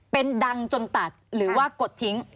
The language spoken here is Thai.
เป็นดังจนตัดหรือว่ากดทิ้ง